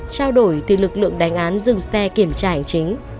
trao đổi thì lực lượng đánh án dừng xe kiểm tra hành chính